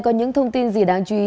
có những thông tin gì đáng chú ý